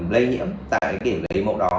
lây nhiễm tại cái điểm lấy mẫu đó